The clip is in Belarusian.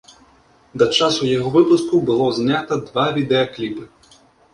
Да часу яго выпуску было знята два відэакліпы.